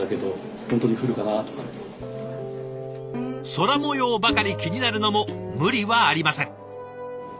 空もようばかり気になるのも無理はありません。